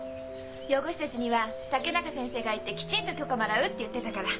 養護施設には竹永先生が行ってきちんと許可もらうって言ってたから。